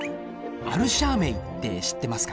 アルシャー盟って知ってますか？